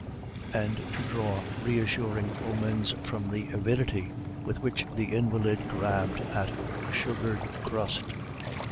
and to draw reassuring omens from the avidity with which the invalid grabbed at a sugared crust.